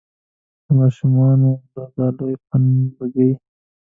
دا ماشومان او دا لوی پنډکی.